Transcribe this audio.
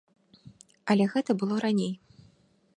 Але гэта было раней.